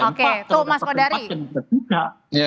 kalau dapat empat kenapa tiga